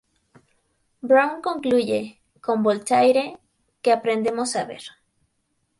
Brown concluye, con Voltaire, que aprendemos a ver.